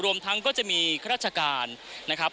รวมทั้งก็จะมีข้าราชการนะครับ